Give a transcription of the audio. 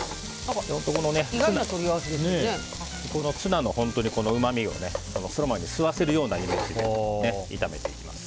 ツナのうまみをソラマメに吸わせるようなイメージで炒めていきます。